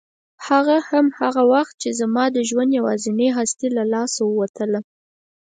هغه هم هغه وخت چې زما د ژوند یوازینۍ هستي له لاسه ووتله.